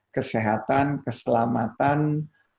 kesehatan keselamatan dan keuntungan